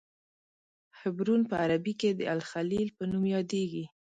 حبرون په عربي کې د الخلیل په نوم یادیږي.